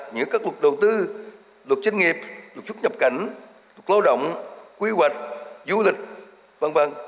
giữa các luật đầu tư luật doanh nghiệp luật xuất nhập cảnh luật lao động quy hoạch du lịch v v